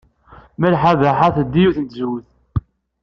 Malḥa Baḥa teldey yiwet n tzewwut.